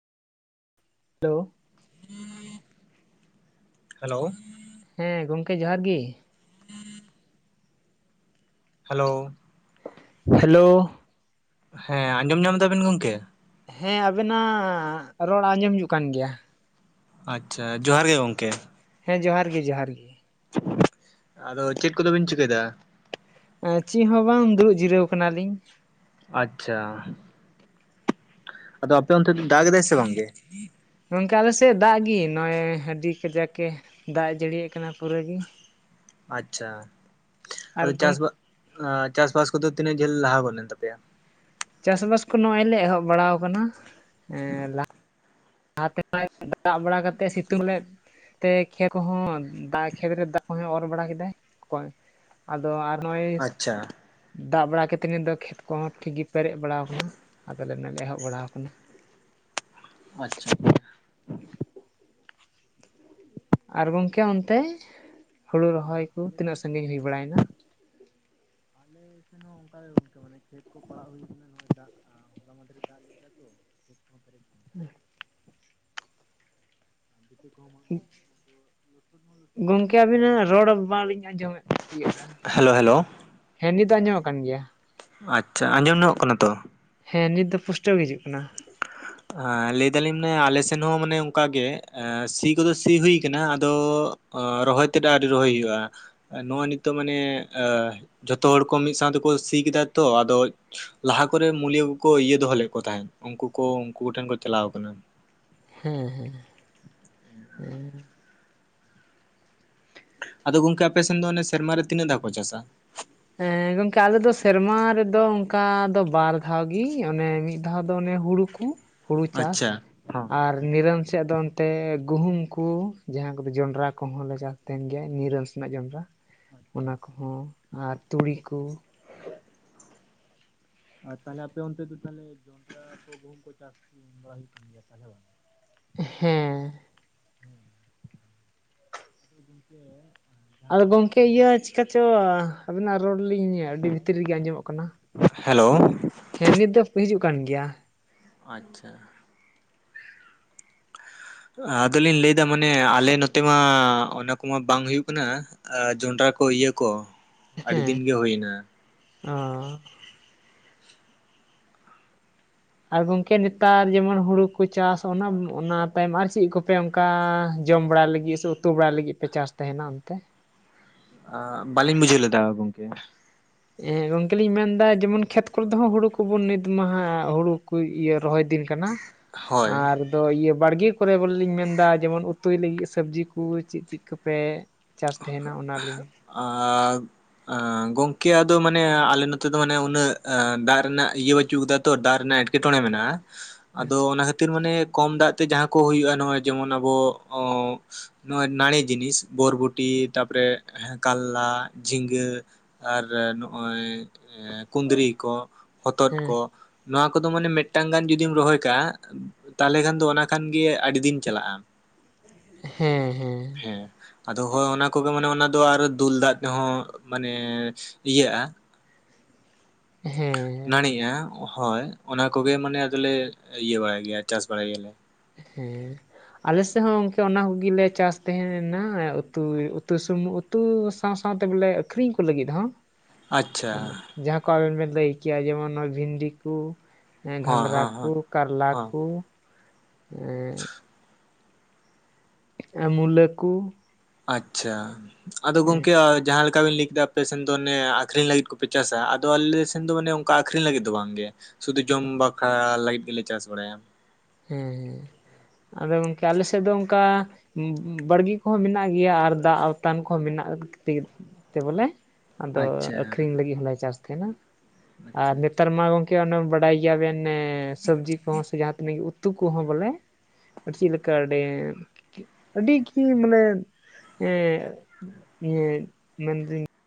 Hello. Hello. ᱦᱮᱸ ᱜᱚᱝᱠᱮ, ᱡᱚᱦᱟᱨ ᱜᱮ᱾ ᱦᱮᱞᱳ᱾ ᱦᱮᱞᱳ᱾ ᱦᱮᱸ, ᱟᱸᱡᱚᱢ ᱧᱟᱢ ᱫᱟᱵᱤᱱ ᱜᱚᱝᱠᱮ? ᱦᱮᱸ ᱟᱵᱮᱱᱟᱜ ᱨᱚᱲ ᱟᱸᱡᱚᱢ ᱦᱤᱡᱩᱜ ᱠᱟᱱ ᱜᱮᱭᱟ᱾ ᱟᱪᱪᱷᱟ ᱡᱚᱦᱟᱨ ᱜᱮ ᱜᱚᱢᱠᱮ᱾ ᱦᱮᱸ ᱡᱚᱦᱟᱨ ᱜᱮ ᱡᱚᱦᱟᱨ ᱜᱮ᱾ ᱟᱫᱚ ᱪᱮᱫ ᱠᱚᱫᱚᱵᱤᱱ ᱪᱤᱠᱟᱹᱭ ᱫᱟ? ᱪᱮᱫ ᱦᱚᱸ ᱵᱟᱝ ᱫᱩᱲᱩᱵ ᱡᱤᱨᱟᱹᱣ ᱠᱟᱱᱟᱣᱞᱤᱧ᱾ ᱟᱪᱪᱷᱟ, ᱟᱫᱚ ᱟᱯᱮ ᱚᱱᱛᱮ ᱫᱟᱜ ᱮᱫᱟᱭ ᱥᱮ ᱵᱟᱝ ᱜᱮ? ᱜᱚᱝᱠᱮ ᱟᱞᱮ ᱥᱮᱫ ᱫᱟᱜ ᱜᱤ ᱱᱚᱜᱼᱚᱭ ᱦᱟᱺᱰᱤ ᱠᱟᱡᱟᱠ ᱮ ᱫᱟᱜ ᱡᱟᱹᱲᱤᱭᱮᱜ ᱠᱟᱱᱟ ᱯᱩᱨᱟᱹ ᱜᱤ ᱟᱪᱪᱷᱟ ᱟᱨ ᱟᱫᱚ ᱪᱟᱥᱵᱟ ᱪᱟᱥᱵᱟᱥ ᱠᱚᱫᱚ ᱛᱤᱱᱟᱹᱜ ᱡᱷᱟᱹᱞ ᱞᱟᱦᱟ ᱜᱚᱫ ᱞᱮᱱ ᱛᱟᱯᱮᱭᱟ? ᱪᱟᱥᱵᱟᱥ ᱠᱚ ᱱᱚᱜ-ᱚᱭ ᱞᱮ ᱮᱦᱚᱵ ᱵᱟᱲᱟᱣ ᱟᱠᱟᱱᱟ ᱮᱸ ᱞᱟ ᱞᱟᱦᱟᱛᱮ ᱢᱟᱭ ᱫᱟᱜ ᱵᱟᱲᱟ ᱠᱟᱛᱮᱫ ᱥᱤᱛᱩᱝ ᱞᱮᱫ ᱛᱮ ᱠᱷᱮ ᱠᱚᱦᱚᱸ ᱫᱟᱜ ᱠᱷᱮᱛ ᱨᱮ ᱫᱟᱜ ᱠᱚᱦᱚᱸᱭ ᱚᱨ ᱵᱟᱲᱟ ᱠᱮᱫᱟᱭ ᱚᱠᱚᱭ ᱟᱫᱚ ᱟᱨ ᱱᱚᱜᱼᱚᱭ ᱟᱪᱪᱷᱟ ᱫᱟᱜ ᱵᱟᱲᱟ ᱠᱟᱛᱮᱫ ᱱᱤᱛ ᱫᱚ ᱠᱷᱮᱛ ᱠᱚᱦᱚᱸ ᱴᱷᱤᱠ ᱜᱮ ᱯᱮᱨᱮᱡ ᱵᱟᱲᱟᱣ ᱟᱠᱟᱱᱟ ᱟᱫᱚᱞᱮ ᱮᱱᱮᱞᱮ ᱮᱦᱚᱵ ᱵᱟᱲᱟᱣ ᱟᱠᱟᱱᱟ᱾ ᱟᱪᱪᱷᱟ᱾ ᱟᱨ ᱜᱚᱝᱠᱮ ᱚᱱᱛᱮ ᱦᱩᱲᱩ ᱨᱚᱦᱚᱭ ᱠᱚ ᱛᱤᱱᱟᱹᱜ ᱥᱟᱺᱜᱤᱧ ᱦᱩᱭ ᱵᱟᱲᱟᱱᱟ? ᱟᱞᱮ ᱥᱮᱱ ᱦᱚᱸ ᱚᱱᱠᱟᱜᱮ ᱜᱚᱝᱠᱮ ᱢᱟᱱᱮ ᱠᱷᱮᱛ ᱠᱚ ᱯᱟᱲᱟᱜ ᱦᱩᱭ ᱟᱠᱟᱱᱟ ᱱᱚᱜᱼᱚᱭ ᱫᱟᱜ ᱦᱚᱞᱟ ᱢᱟᱫᱷᱮᱨᱮ ᱫᱟᱜ ᱞᱮᱫᱟ ᱛᱚ᱾ ᱠᱷᱮᱛ ᱠᱚᱦᱚᱸ ᱯᱮᱨᱮᱡ ᱟᱠᱟᱱ ᱛᱟᱦᱮᱸᱫ [unintelligible] ᱟᱨ ᱵᱷᱤᱛᱟᱹ ᱠᱚᱦᱚᱸ ᱢᱟᱜ ᱦᱳᱭ ᱠᱟᱱᱟ ᱟᱫᱚ ᱞᱚᱥᱚᱫ ᱦᱚᱸ ᱞᱚᱥᱚᱫ ᱤᱧᱟᱜ ᱜᱚᱝᱠᱮ ᱟᱫᱚ ᱟᱵᱤᱱᱟᱜ ᱨᱚᱲ ᱵᱟᱞᱤᱧ ᱟᱸᱡᱚᱢᱮᱫ ᱛᱤᱭᱳᱜᱼᱟ ᱦᱮᱞᱳ ᱦᱮᱞᱳ, ᱦᱮᱸ ᱱᱤᱛ ᱫᱚ ᱟᱸᱡᱚᱢ ᱠᱟᱱ ᱜᱮᱭᱟ᱾ ᱟᱪᱪᱷᱟ ᱟᱸᱡᱚᱢ ᱧᱚᱜ ᱠᱟᱱᱟ ᱛᱚ, ᱦᱮᱸ ᱱᱤᱛ ᱫᱚ ᱯᱩᱥᱴᱟᱹᱣ ᱜᱮ ᱦᱤᱡᱩᱜ ᱠᱟᱱᱟ᱾ ᱞᱟᱹᱭ ᱫᱟᱞᱤᱧ ᱢᱟᱱᱮ ᱟᱞᱮ ᱥᱮᱱ ᱦᱚᱸ ᱢᱟᱱᱮ ᱚᱱᱠᱟᱜᱮ ᱥᱤ ᱠᱚᱫᱚ ᱥᱤ ᱦᱩᱭ ᱠᱟᱱᱟ ᱟᱫᱚ ᱨᱚᱦᱚᱭ ᱛᱮᱫ ᱟᱹᱣᱨᱤ ᱨᱚᱦᱚᱭ ᱦᱩᱭᱩᱜᱼᱟ᱾ ᱱᱚᱜᱼᱚᱭ ᱱᱤᱛᱚᱜ ᱢᱟᱱᱮ ᱮᱸ ᱡᱷᱚᱛᱚ ᱦᱚᱲ ᱠᱚ ᱢᱤᱫ ᱥᱟᱶ ᱛᱮᱠᱚ ᱥᱤ ᱠᱮᱫᱟ ᱛᱚ ᱟᱫᱚ ᱞᱟᱦᱟ ᱠᱚᱨᱮ ᱢᱩᱞᱤᱭᱟᱹ ᱠᱚᱠᱚ ᱤᱭᱟᱹ ᱫᱚᱦᱚ ᱞᱮᱫ ᱠᱚ ᱛᱟᱦᱮᱸᱫ ᱩᱱᱠᱩ ᱠᱚ ᱩᱱᱠᱩ ᱠᱚᱴᱷᱮᱱ ᱠᱚ ᱪᱟᱞᱟᱣ ᱠᱟᱱᱟ᱾ ᱦᱮᱸ ᱦᱮᱸ᱾ [unintelligible] ᱟᱫᱚ ᱜᱚᱝᱠᱮ ᱟᱯᱮ ᱥᱮᱱ ᱫᱚ ᱥᱮᱨᱢᱟ ᱨᱮ ᱛᱤᱱᱟᱹᱜ ᱫᱷᱟᱣ ᱠᱚ ᱪᱟᱥᱟ? ᱦᱮᱸ ᱜᱚᱝᱠᱮ ᱟᱞᱮ ᱫᱚ ᱥᱮᱨᱢᱟ ᱨᱮᱫᱚ ᱚᱱᱠᱟ ᱫᱚ ᱵᱟᱨ ᱫᱷᱟᱣ ᱜᱮ ᱚᱱᱮ ᱢᱤᱫ ᱫᱷᱟᱣ ᱫᱚ ᱚᱱᱮ ᱦᱩᱲᱩ ᱠᱩ ᱦᱩᱲᱩ ᱪᱟᱥ, ᱟᱪᱪᱷᱟ ᱦᱚᱸ ᱟᱨ ᱱᱤᱨᱚᱱ ᱥᱮᱫ ᱫᱚ ᱚᱱᱛᱮ ᱜᱩᱦᱩᱢ ᱠᱩ ᱡᱟᱦᱟᱸ ᱠᱚᱫᱚ ᱡᱚᱱᱰᱨᱟ ᱠᱚᱦᱚᱸ ᱞᱮ ᱪᱟᱥ, ᱛᱟᱦᱮᱱ ᱜᱮᱭᱟ ᱱᱤᱨᱟᱹᱱ ᱥᱮᱱᱟᱜ ᱡᱚᱱᱰᱨᱟ ᱚᱱᱟ ᱠᱚᱦᱚᱸ ᱟᱨ ᱛᱩᱲᱤ ᱠᱩ, ᱟᱨ ᱛᱟᱦᱚᱞᱮ ᱟᱯᱮ ᱚᱱᱛᱮ ᱫᱚ ᱛᱟᱦᱚᱞᱮ ᱡᱚᱱᱰᱨᱟ ᱠᱚ, ᱜᱩᱦᱩᱢ ᱠᱚ ᱪᱟᱥ ᱵᱟᱲᱟ ᱦᱩᱭᱩᱜ ᱠᱟᱱ ᱛᱟᱦᱚᱞᱮ ᱵᱟᱝ? ᱦᱮᱸ᱾ ᱦᱩᱸ ᱟᱫᱚ ᱜᱚᱝᱠᱮ ᱟᱫᱚ ᱜᱚᱢᱠᱮ ᱤᱭᱟᱹ ᱪᱤᱠᱟ ᱪᱚ ᱟᱵᱤᱱᱟᱜ ᱨᱚᱲ ᱞᱤᱧ ᱟᱹᱰᱤ ᱵᱷᱤᱛᱤᱨ ᱨᱮᱜᱮ ᱟᱸᱡᱚᱢᱚᱜ ᱠᱟᱱᱟᱢ ᱠᱟᱱᱟ ᱾ ᱦᱮᱞᱳ᱾ ᱦᱮᱸ ᱱᱤᱛ ᱫᱚ‌ ᱠᱩ ᱦᱤᱡᱩᱜ ᱠᱟᱱ ᱷᱮᱭᱟ᱾ ᱟᱪᱪᱷᱟ᱾ ᱛᱚ ᱟᱫᱚ ᱞᱤᱧ ᱞᱟᱹᱭ ᱫᱟ ᱢᱟᱱᱮ ᱟᱞᱮ ᱱᱚᱛᱮ ᱢᱟ ᱚᱱᱟ ᱠᱚᱢᱟ ᱵᱟᱝ ᱦᱩᱭᱩᱜ ᱠᱟᱱᱟ᱾ ᱟᱻ ᱡᱚᱱᱰᱨᱟ ᱠᱚ ᱤᱭᱟᱹ ᱠᱚ ᱟᱹᱰᱤ ᱫᱤᱱ ᱜᱮ ᱦᱳᱭ ᱱᱟ᱾ ᱚᱸ᱾ ᱟᱨ ᱜᱚᱝᱠᱮ ᱱᱮᱛᱟᱨ ᱡᱮᱢᱚᱱ ᱦᱩᱲᱩ ᱠᱚ ᱪᱟᱥ ᱚᱱᱟ ᱚᱱᱟ ᱛᱟᱭᱚᱢ ᱟᱨ ᱪᱤᱜ ᱠᱚᱯᱮᱼᱼ ᱠᱟᱸ ᱡᱚᱢ ᱵᱟᱲᱟᱭ ᱞᱟᱹᱜᱤᱫ ᱥᱮ ᱩᱛᱩ ᱵᱟᱲᱟᱭ ᱞᱟᱹᱜᱤᱫ ᱯᱮ ᱪᱟᱥ ᱛᱟᱦᱮᱸᱱᱟ ᱚᱱᱛᱮ? ᱟ ᱵᱟᱞᱤᱧ ᱵᱩᱡᱷᱟᱹᱣ ᱞᱮᱫᱟ ᱜᱚᱝᱠᱮ᱾ ᱮᱸᱜ ᱜᱚᱝᱠᱮ ᱞᱤᱧ ᱢᱮᱱᱫᱟ ᱡᱮᱢᱚᱱ ᱠᱷᱮᱛ ᱠᱚᱨᱮ ᱫᱚ ᱦᱟᱸᱜ ᱦᱩᱲᱩ ᱠᱩᱵᱩᱱ ᱱᱤᱛ ᱢᱟᱦᱟ ᱦᱩᱲᱩ ᱠᱚ ᱤᱭᱟᱹ ᱨᱚᱦᱚᱭ ᱫᱤᱱ ᱠᱟᱱᱟ, ᱦᱳᱭ ᱟᱨ ᱟᱫᱚ ᱤᱭᱟᱹ ᱵᱟᱲᱜᱤ‌ ᱠᱚᱨᱮ ᱵᱚᱞᱮ ᱞᱤᱧ ᱢᱮᱱᱫᱟ ᱡᱮᱢᱚᱱ ᱩᱛᱩᱭ ᱞᱟᱹᱜᱤᱫ ᱥᱟᱹᱵᱽᱡᱤ ᱠᱩ ᱪᱤᱜ ᱪᱤᱜ ᱠᱚᱯᱮ ᱪᱟᱥ ᱛᱮᱦᱮᱸᱱᱟ ᱚᱱᱟ ᱞᱤᱧ ᱟᱻᱫ ᱟᱸ ᱜᱚᱝᱠᱮ ᱟᱫᱚ ᱢᱟᱱᱮ ᱟᱞᱮ ᱱᱚᱛᱮ ᱫᱚ ᱢᱟᱱᱮ ᱩᱱᱟᱹᱜ ᱮ ᱫᱟ ᱨᱮᱱᱟᱜ ᱤᱭᱟᱹ ᱵᱟᱹᱪᱩᱜ ᱠᱟᱫᱟ ᱛᱚ ᱫᱟ ᱨᱮᱱᱟᱜ ᱮᱴ ᱠᱮᱴᱚᱬᱮ ᱢᱮᱱᱟᱜᱼᱟ ᱟᱫᱚ ᱚᱱᱟ ᱠᱷᱟᱹᱛᱤᱨ ᱢᱟᱱᱮ ᱠᱚᱢ ᱫᱟᱜ ᱛᱮ ᱡᱟᱦᱟᱸ ᱠᱚ ᱦᱩᱭᱩᱜᱼᱟ ᱱᱚᱜ-ᱚᱭ ᱡᱮᱢᱚᱱ ᱟᱵᱚ ᱚᱸᱻᱱᱚᱜᱼᱚᱭ ᱱᱟᱹᱲᱤ ᱡᱤᱱᱤᱥ ᱵᱚᱨᱵᱩ ᱴᱤ ᱛᱟᱯᱚᱨᱮ ‌ᱦᱮᱸ ᱠᱟᱞᱞᱟ ᱡᱷᱤᱸᱜᱟᱹ ᱟᱨ ᱱᱚᱜ-ᱚᱭ ᱮᱸ ᱠᱩᱸᱫᱽᱨᱤ ᱠᱚ ᱦᱚᱛᱚᱫ ᱦᱮᱸ ᱠᱚ, ᱱᱚᱣᱟ ᱠᱚᱫᱚ ᱢᱟᱱᱮ ᱢᱤᱫᱴᱟᱝ ᱜᱟᱱ ᱡᱩᱫᱤᱢ ᱨᱚᱦᱚᱭ ᱠᱟᱜᱼᱟ, ᱛᱟᱦᱚᱞᱮ ᱠᱷᱟᱱ ᱫᱚ ᱚᱱᱟ ᱠᱷᱟᱱ ᱜᱮ ᱟᱰᱤ ᱫᱤᱱ ᱪᱟᱞᱟᱜ-ᱟ᱾ ᱦᱮᱸ ᱦᱮᱸ᱾ ᱦᱮᱸ᱾ ᱫᱚ ᱦᱚᱭ ᱚᱱᱟ ᱠᱚᱜᱮ ᱢᱟᱱᱮ ᱚᱱᱟ ᱫᱚ ᱟᱨ ᱫᱩᱞ ᱫᱟᱜ ᱛᱮᱦᱚᱸ ᱢᱟᱱᱮ ᱤᱭᱟᱹᱜ-ᱟ᱾ ᱦᱮᱸ᱾ ᱱᱟᱹᱲᱤᱜᱼᱟ ᱦᱳᱭ ᱚᱱᱟ ᱠᱚᱜᱮ ᱢᱟᱱᱮ ᱟᱫᱚ ᱞᱮ ᱤᱭᱟᱹ ᱵᱟᱲᱟᱭ ᱜᱮᱭᱟ ᱪᱟᱥ ᱵᱟᱲᱟᱭ ᱜᱮᱭᱟ ᱞᱮ᱾ ᱦᱮᱸ᱾ ᱟᱞᱮᱥᱮᱜ ᱦᱚᱸ ᱜᱝᱚᱠᱮ ᱚᱱᱟ ᱠᱩᱜᱤ ᱞᱮ ᱪᱟᱥ ᱛᱮᱦᱮᱸᱱᱟ ᱩᱛᱩᱭ ᱩᱛᱩ ᱥᱩᱢᱩᱝ ᱩ ᱛᱩ ᱥᱟᱶ-ᱥᱟᱶᱛᱮ ᱵᱚᱞᱮ ᱟᱹᱠᱷᱨᱤᱧ ᱠᱩ ᱞᱟᱹᱜᱤᱫ ᱦᱚᱸ᱾ ᱟᱪᱪᱷᱟ ᱚᱱᱟ ᱡᱟᱦᱟᱸ ᱠᱚ ᱟᱵᱮᱱ ᱵᱮᱱ ᱞᱟᱹᱭ ᱠᱮᱭᱟ ᱡᱮᱢᱚᱱ ᱱᱚᱣᱟ ᱵᱷᱤᱱᱰᱤ ᱠᱩ ᱮᱸ ᱦᱚᱸ ᱜᱷᱟᱝᱜᱽᱨᱟ ᱦᱚᱸ ᱠᱩ ᱦᱚᱸ ᱠᱟᱨᱞᱟ ᱦᱚᱸ ᱠᱩ ᱮᱸᱜ ᱮ ᱢᱩᱞᱟᱹ ᱠᱩ ᱟᱪᱪᱷᱟ ᱟᱫᱚ ᱜᱚᱝᱠᱮ ᱟ ᱡᱟᱦᱟᱸ ᱞᱮᱠᱟ ᱵᱤᱱ ᱞᱟᱹᱭ ᱠᱮᱫᱟ ᱟᱯᱮ ᱥᱮᱱ ᱫᱚ ᱚᱱᱮ ᱟᱠᱷᱨᱤᱧ ᱞᱟᱜᱤᱫ ᱠᱩᱯᱮ ᱪᱟᱥᱟ ᱟᱫᱚ ᱟᱞᱮ ᱥᱮᱱ ᱫᱚ ᱢᱟᱱᱮ ᱚᱱᱠᱟ ᱟᱠᱷᱨᱤᱧ ᱞᱟᱜᱤᱫ ᱫᱚ ᱵᱟᱝ ᱜᱮ᱾ ᱥᱩᱫᱩ ᱡᱚᱢ ᱵᱟᱠᱷᱨᱟ ᱞᱟᱜᱤᱫ ᱜᱤᱞᱮ ᱪᱟᱥ ᱵᱟᱲᱟᱭᱟ᱾ ᱦᱮᱸ ᱦᱮᱸ ᱟᱫᱚ ᱜᱚᱝᱠᱮ ᱟᱞᱮ ᱥᱮᱜ ᱫᱚ ᱚᱱᱠᱟ ᱩᱸᱼᱩᱸᱵᱟᱲᱜᱤ ᱠᱚᱦᱚᱸ ᱢᱤᱱᱟᱜ ᱜᱮᱭᱟ, ᱟᱨ ᱫᱟᱜ ᱟᱣᱛᱟᱱ ᱠᱚᱦᱚᱸ ᱢᱤᱱᱟᱜ ᱛᱮᱜᱤ‌ ᱛᱮ ᱵᱚᱞᱮ ᱟᱫᱚ ᱟᱪᱪᱷᱟ ᱟᱹᱠᱷᱨᱤᱧ ᱞᱟᱹᱜᱤᱫ ᱦᱚᱸ ᱞᱮ ᱪᱟᱥ ᱛᱷᱮᱸᱱᱟ ᱟᱨ ᱟᱪᱪᱷᱟ ᱟᱪᱪᱷᱟ ᱱᱮᱛᱟᱨ ᱢᱟ ᱜᱚᱝ ᱠᱮ ᱚᱱᱮ ᱵᱟᱰᱟᱭ ᱜᱮᱭᱟ ᱵᱮᱱ ᱱᱮ ᱥᱟᱹᱵᱽᱡᱤ ᱠᱚᱦᱚᱸ ᱥᱮ ᱡᱟᱦᱟᱸ ᱛᱤᱱᱟᱹᱜ ᱜᱮ ᱩ ᱛᱩ ᱠᱚᱦᱚᱸ ᱵᱚᱞᱮ‌ [unintelligible] ᱪᱤᱜ ᱞᱮᱠᱟ [unintelligible] ᱟᱹᱰᱤ ᱜᱮ ᱢᱟᱱᱮ ᱮᱸᱜ ᱤᱭᱟᱹ ᱢᱮᱱ ᱫᱤᱧ